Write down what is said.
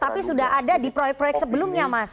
tapi sudah ada di proyek proyek sebelumnya mas